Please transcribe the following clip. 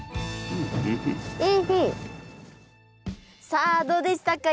さあどうでしたか？